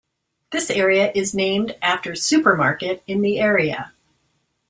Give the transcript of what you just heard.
This area is named after Supermarket in the area.